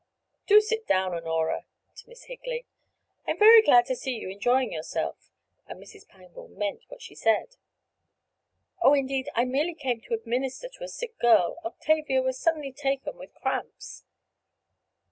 Do sit down, Honorah," to Miss Higley. "I'm very glad to see you enjoying yourself," and Mrs. Pangborn meant what she said. "Oh, indeed, I merely came to administer to a sick girl. Octavia was suddenly taken with cramps."